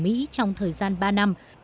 mỹ trong thời gian ba năm